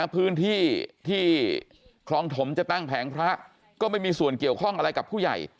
พื้นที่ที่คลองถมจะตั้งแผงพระก็ไม่มีส่วนเกี่ยวข้องอะไรกับผู้ใหญ่